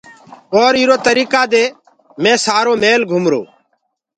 اور اِرو تريڪآ دي مي سآري ميٚل گُمرو۔